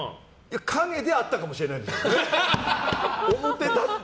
影であったかもしれないですね。